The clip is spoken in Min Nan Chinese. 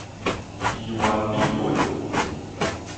魚丸米粉